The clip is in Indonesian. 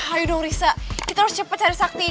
ayo dong risa kita harus cepat cari sakti